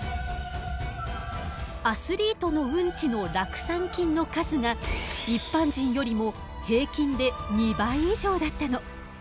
アスリートのウンチの酪酸菌の数が一般人よりも平均で２倍以上だったの。